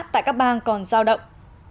tại các bang còn giao động